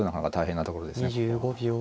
ここは。